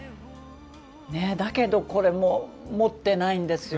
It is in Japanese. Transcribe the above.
だけどこれも持っていないんですよ。